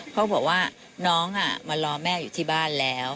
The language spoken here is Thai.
เขาบอกว่าน้องมารอแม่อยู่ที่บ้านแล้ว